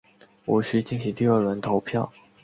无须进行第二轮投票。